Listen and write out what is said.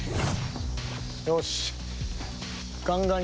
よし。